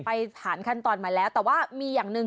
ผ่านขั้นตอนมาแล้วแต่ว่ามีอย่างหนึ่ง